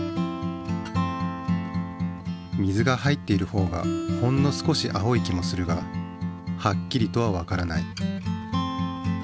水が入っているほうがほんの少し青い気もするがはっきりとはわからない。